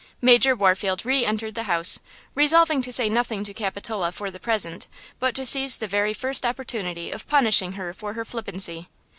Major Warfield reentered the house, resolving to say nothing to Capitola for the present, but to seize the very first opportunity of punishing her for her flippancy.